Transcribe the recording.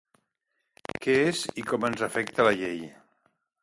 Què és i com ens afecta la Llei.